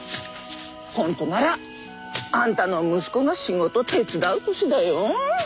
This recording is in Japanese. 本当ならあんたの息子が仕事手伝う年だよ。